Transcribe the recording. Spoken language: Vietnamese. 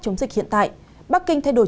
chống dịch hiện tại bắc kinh thay đổi